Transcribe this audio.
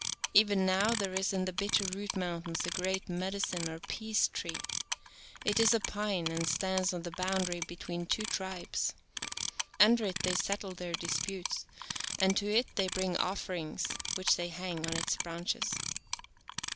Even now there is in the Bitter Root Mountains a great "medicine" or "peace tree." It is a pine and stands on the boundary between two tribes. Under it they settle their disputes, and to it they bring offerings which they hang on its branches.